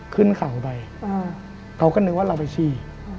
ขึ้นเขาไปเขาก็นึกว่าเราไปฉี่